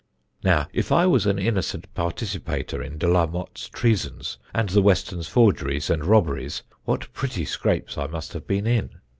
"Now, if I was an innocent participator in De la Motte's treasons, and the Westons' forgeries and robberies, what pretty scrapes I must have been in.